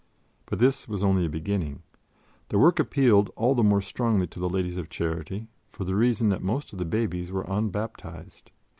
But this was only a beginning. The work appealed all the more strongly to the Ladies of Charity for the reason that most of the babies were unbaptized.